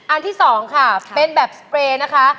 อันที่๒ค่ะเป็นแบบสเปรย์นะคะ